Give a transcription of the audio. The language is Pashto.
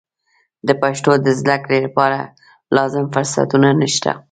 د پښتو د زده کړې لپاره لازم فرصتونه نشته.